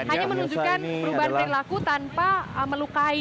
hanya menunjukkan perubahan perilaku tanpa melukai